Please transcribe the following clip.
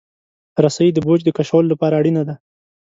رسۍ د بوج د کشولو لپاره اړینه ده.